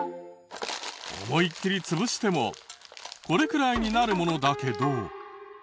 思いっきり潰してもこれくらいになるものだけど。